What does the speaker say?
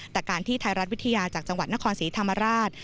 แต่การที่ไทยรัฐวิทยาจากจังหวัดนครศรีธรรมราช